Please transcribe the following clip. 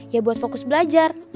ya buat fokus belajar